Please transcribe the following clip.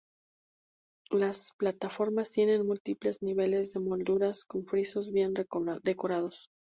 Las plataformas tienen múltiples niveles de molduras con frisos bien decorados.